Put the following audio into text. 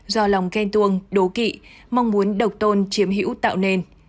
do lòng ghen tuông đố kị mong muốn độc tôn chiếm hữu tạo nên